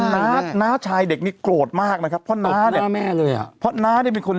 น้าน้าชายเด็กนี่โกรธมากนะครับเพราะน้าเนี่ยพ่อแม่เลยอ่ะเพราะน้าเนี่ยเป็นคน